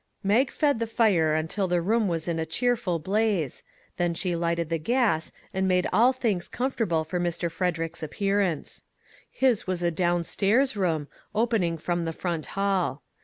Mag fed the fire until the room was in a cheerful blaze; then she lighted the gas, and 88 " A CRUMB OF COMFORT " made all things comfortable for Mr. Frederick's appearance. His was a downstairs room, open ing from the front hall.